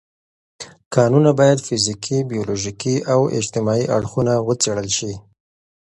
کانونه باید فزیکي، بیولوژیکي او اجتماعي اړخونه وڅېړل شي.